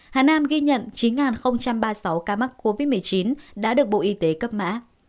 hà nam ghi nhận chín ba mươi sáu ca mắc covid một mươi chín đã được bộ y tế cấp mã